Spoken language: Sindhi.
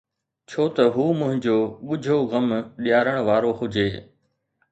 ڇو ته هو منهنجو ڳجهو غم ڏيارڻ وارو هجي؟